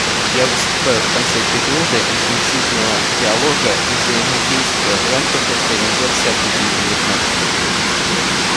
Я выступаю в конце периода интенсивного диалога и взаимодействия в рамках Организации Объединенных Наций.